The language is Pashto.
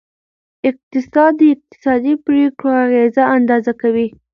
اقتصاد د اقتصادي پریکړو اغیزه اندازه کوي.